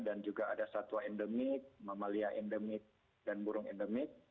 dan juga ada satwa endemik mamalia endemik dan burung endemik